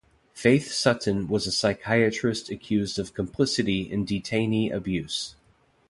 Faith Sutton was a psychiatrist accused of complicity in detainee abuse.